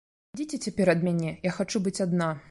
Ідзіце цяпер ад мяне, я хачу быць адна.